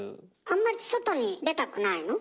あんまり外に出たくないの？